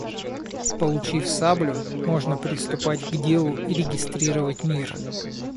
Получив саблю, можно приступать к делу и регистрировать мир.